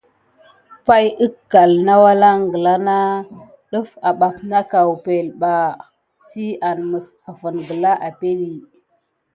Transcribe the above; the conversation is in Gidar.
Pay hayi va akelin na kubaye perpriké asane kubeline si an misdelife adake.